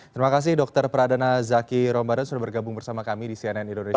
terima kasih dokter pradana zaki rombaran sudah bergabung bersama kami di cnn indonesia